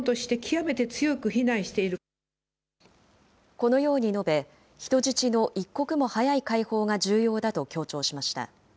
このように述べ、人質の一刻も早い解放が重要だと強調しました。